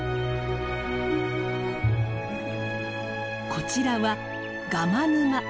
こちらはガマ沼。